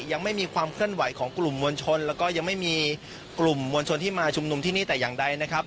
ยังไม่มีความเคลื่อนไหวของกลุ่มมวลชนแล้วก็ยังไม่มีกลุ่มมวลชนที่มาชุมนุมที่นี่แต่อย่างใดนะครับ